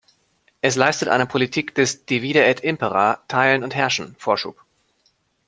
Es leistet einer Politik des divide et impera Teilen und Herrschen Vorschub.